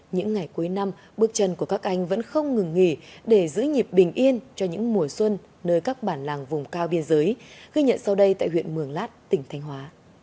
những ngày cuối năm bước chân của các anh vẫn không ngừng nghỉ để giữ nhịp bình yên cho những mùa xuân nơi các bản làng vùng cao biên giới ghi nhận sau đây tại huyện mường lát tỉnh thanh hóa